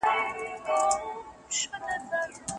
ده د ګډ ژوند اصول پياوړي کړل.